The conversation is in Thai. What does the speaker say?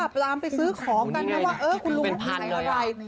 กลับร้านไปซื้อของกันนะว่าเออคุณลุงก็พยายามไลฟ์อะไร